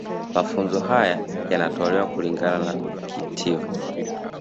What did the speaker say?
Mafunzo haya yanatolewa kulingana na kitivo